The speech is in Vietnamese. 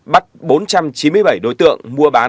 bắt bốn trăm chín mươi bảy đối tượng